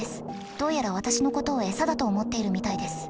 どうやら私のことを餌だと思っているみたいです。